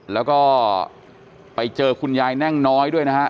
แล้วก็ไปเจอคุณยายแน่งน้อยด้วยนะฮะ